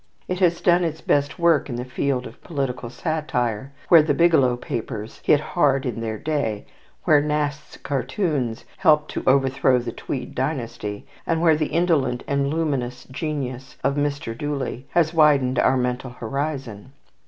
It has done its best work in the field of political satire, where the "Biglow Papers" hit hard in their day, where Nast's cartoons helped to overthrow the Tweed dynasty, and where the indolent and luminous genius of Mr. Dooley has widened our mental horizon.